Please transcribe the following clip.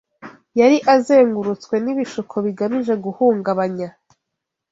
Yari azengurutswe n’ibishuko bigamije guhungabanya